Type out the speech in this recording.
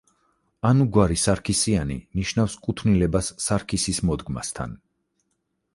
ანუ გვარი „სარქისიანი“ ნიშნავს კუთვნილებას სარქისის მოდგმასთან.